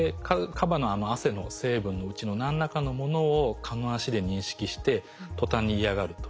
カバのあの汗の成分のうちの何らかのものを蚊の脚で認識してとたんに嫌がると。